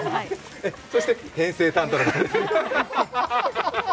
そして編成担当の方です。